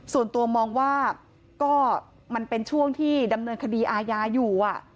ส่วนตัวมองว่าก็มันเป็นช่วงที่ดำเนินคดีอาญาอยู่